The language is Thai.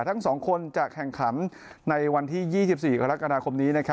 ทั้ง๒คนจะแข่งขันในวันที่๒๔กรกฎาคมนี้